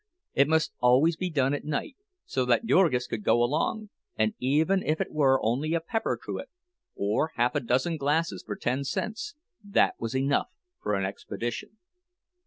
It must always be done at night, so that Jurgis could go along; and even if it were only a pepper cruet, or half a dozen glasses for ten cents, that was enough for an expedition.